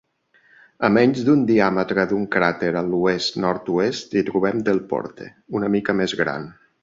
A menys d"un diàmetre d"un crater a l"oest-nord-oest hi trobem Delporte, una mica més gran.